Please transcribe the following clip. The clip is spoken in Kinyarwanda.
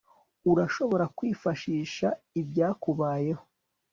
urashobora kwifashisha ibyakubayeho